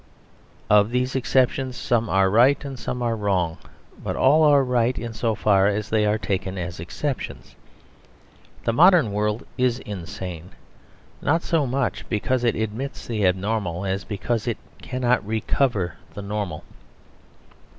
Of these exceptions some are right and some wrong; but all are right in so far as they are taken as exceptions. The modern world is insane, not so much because it admits the abnormal as because it cannot recover the normal.